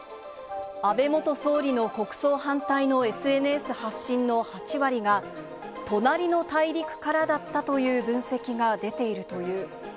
安倍元総理の国葬反対のＳＮＳ発信の８割が隣の大陸からだったという分析が出ているという。